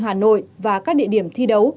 hà nội và các địa điểm thi đấu